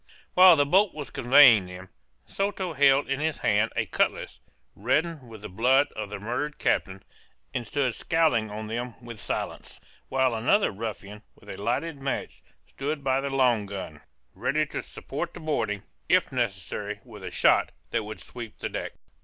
While the boat was conveying them, Soto held in his hand a cutlass, reddened with the blood of the murdered captain, and stood scowling on them with silence: while another ruffian, with a lighted match, stood by the long gun, ready to support the boarding, if necessary, with a shot that would sweep the deck.